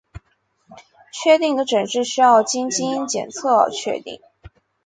确定的诊治需要经基因检测确定。